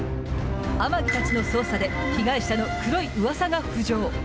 天樹たちの捜査で被害者の黒いうわさが浮上。